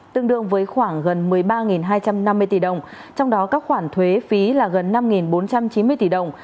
tương đương với khoảng gần một mươi ba hai trăm năm mươi tỷ đồng trong đó các khoản thuế phí là gần năm bốn trăm chín mươi tỷ đồng